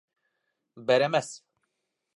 Бәрәмәс